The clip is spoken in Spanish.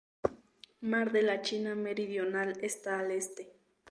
Mar de la China Meridional está al este.